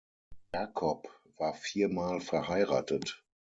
Jakob war viermal verheiratet.